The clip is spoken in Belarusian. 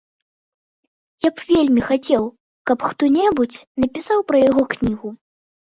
Я б вельмі хацеў, каб хто-небудзь напісаў пра яго кнігу.